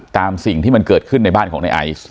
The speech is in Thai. ตามสิ่งที่มันเกิดขึ้นในบ้านของในไอซ์